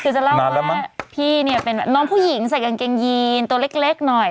คือจะเล่าว่าพี่เนี่ยเป็นน้องผู้หญิงใส่กางเกงยีนตัวเล็กหน่อย